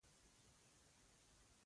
د غزل او قصیدې تر پایه پورې تکراریږي.